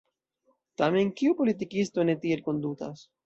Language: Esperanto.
Tamen kiu politikisto ne tiel kondutas?